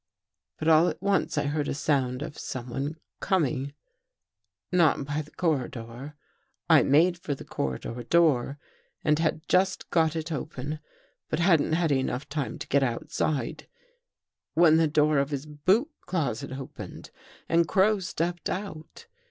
But all at once I heard a sound of someone coming — not by the corridor. " I made for the corridor door and had just got it open, but hadn't had time to get outside, when the door of his boot closet opened and Crow stepped out.